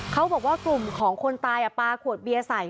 เขาบอกว่ากลุ่มของคนตายปลาขวดเบียร์ใส่